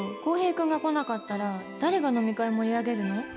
航兵君が来なかったら誰が飲み会盛り上げるの？」。